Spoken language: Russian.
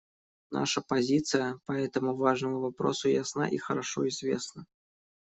Наша позиция по этому важному вопросу ясна и хорошо известна.